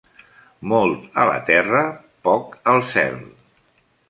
Molt a la terra, poc al cel.